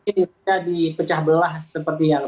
yang bisa dipecah belah seperti yang